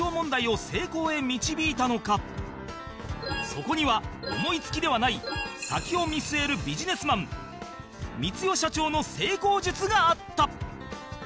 そこには思い付きではない先を見据えるビジネスマン光代社長の成功術があった